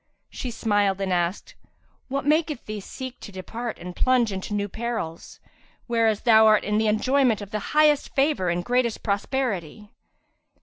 She smiled and asked, "What maketh thee seek to depart and plunge into new perils, whenas thou art in the enjoyment of the highest favour and greatest prosperity?"